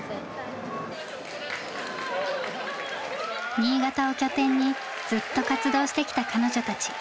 新潟を拠点にずっと活動してきた彼女たち。